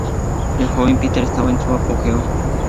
El joven Peter estaba en su apogeo.